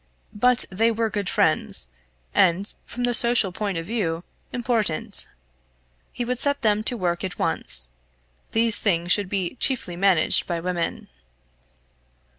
But they were good friends, and, from the social point of view, important. He would set them to work at once. These things should be chiefly managed by women.